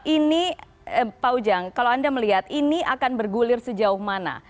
ini pak ujang kalau anda melihat ini akan bergulir sejauh mana